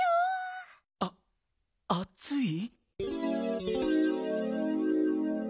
ああつい。